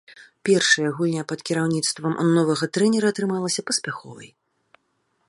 Першая гульня пад кіраўніцтвам новага трэнера атрымалася паспяховай.